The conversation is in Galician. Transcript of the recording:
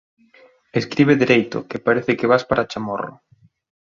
Escribe dereito, que parece que vas para Chamorro